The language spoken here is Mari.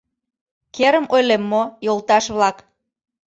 Керым ойлем мо, йолташ-влак?